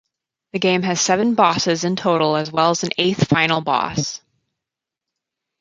The game has seven bosses in total as well as an eighth final boss.